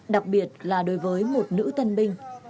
đặc biệt là đối với một nữ tân binh